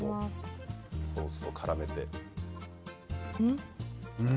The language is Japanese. ソースをからめて。